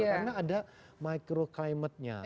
karena ada microclimatenya